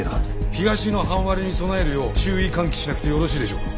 東の半割れに備えるよう注意喚起しなくてよろしいでしょうか？